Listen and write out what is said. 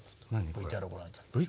ＶＴＲをご覧いただきましょう。